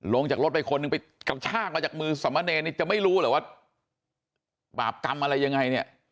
ลงจากรถไปคนหนึ่งไปกระชากมาจากมือสมเนรนี่จะไม่รู้เหรอว่าบาปกรรมอะไรยังไงเนี่ย